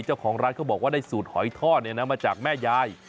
เจ้าของร้านได้สูตรหอยทอดมาจากแม่ยาย